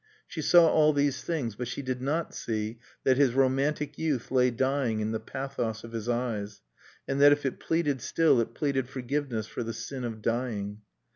She saw all these things; but she did not see that his romantic youth lay dying in the pathos of his eyes and that if it pleaded still it pleaded forgiveness for the sin of dying.